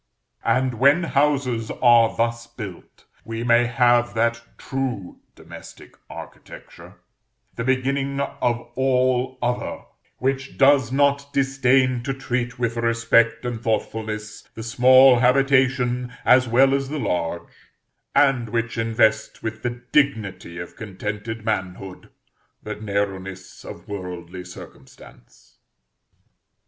And when houses are thus built, we may have that true domestic architecture, the beginning of all other, which does not disdain to treat with respect and thoughtfulness the small habitation as well as the large, and which invests with the dignity of contented manhood the narrowness of worldly circumstance.